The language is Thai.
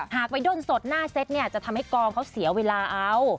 หากไปด้นสดหน้าเซ็ตเนี่ยจะทำให้กองเขาเสียเวลาเอา